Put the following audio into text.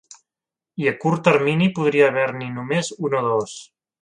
I a curt termini podria haver-n’hi només un o dos.